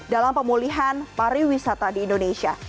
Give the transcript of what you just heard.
dalam pemulihan pariwisata di indonesia